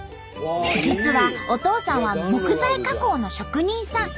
実はお父さんは木材加工の職人さん。